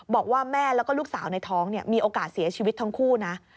บอกว่าแม่แล้วก็ลูกสาวในท้องมีโอกาสเสียชีวิตทั้งคู่นะ